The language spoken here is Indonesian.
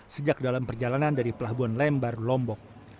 sejak dalam perjalanan dari pelabuhan lembar lombok